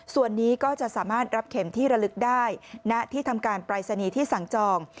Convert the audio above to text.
ส่วนนี้ก็จะสามารถรับเข็มที่ระลึกได้ณที่ทำการปรายศนีย์ที่สั่งจอง